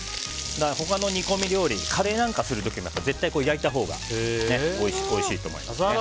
他の煮込み料理カレーなんかする時にも絶対に焼いたほうがおいしいと思います。